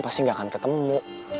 pasti gak akan ketemu